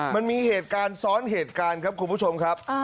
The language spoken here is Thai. มันมีเหตุการณ์ซ้อนเหตุการณ์ครับคุณผู้ชมครับ